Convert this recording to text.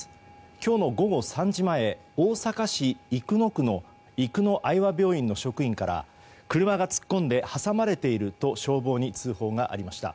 今日の午後３時前大阪市生野区の生野愛和病院の職員から車が突っ込んで挟まれていると消防に通報がありました。